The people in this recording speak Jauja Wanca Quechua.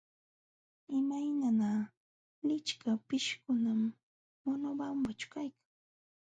Imaymana lichka pishqukunam Monobambaćhu kan.